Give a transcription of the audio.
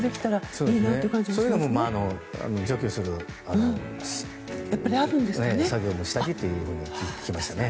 そういうのも除去する作業もしたりと聞きましたね。